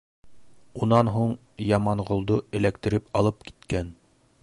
Унан һуң Яманғолдо эләктереп алып киткән.